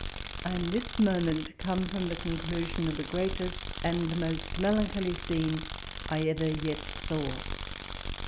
I AM this moment come from the conclusion of the greatest and most melancholy scene I ever yet saw